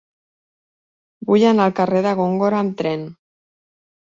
Vull anar al carrer de Góngora amb tren.